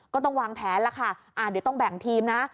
ก็ต้องวางแผนแล้วค่ะเดี๋ยวต้องแบ่งทีมนะ